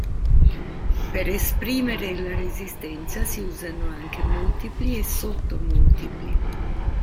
Per esprimere la resistenza si usano anche multipli e sottomultipli.